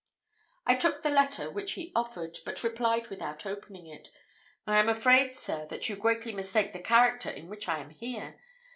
I took the letter which he offered, but replied without opening it, "I am afraid, sir, that you greatly mistake the character in which I am here.